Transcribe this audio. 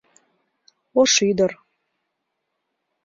Ош ӱдыр.